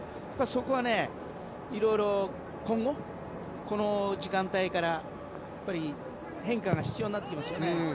そこはいろいろ今後この時間帯から変化が必要になってきますよね。